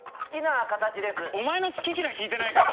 おまえのすききらい聞いてないから！